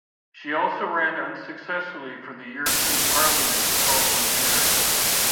She also ran unsuccessfully for the European Parliament the following year.